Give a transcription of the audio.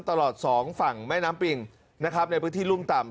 ตลอดสองฝั่งแม่น้ำปิงนะครับในพื้นที่รุ่มต่ำ